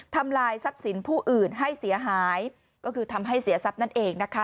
ทำลายทรัพย์สินผู้อื่นให้เสียหายก็คือทำให้เสียทรัพย์นั่นเองนะคะ